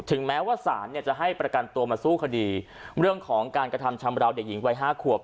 แม้ว่าศาลเนี่ยจะให้ประกันตัวมาสู้คดีเรื่องของการกระทำชำราวเด็กหญิงวัยห้าขวบ